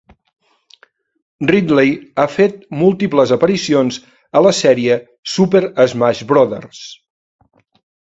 Ridley ha fet múltiples aparicions a la sèrie "Super Smash Brothers".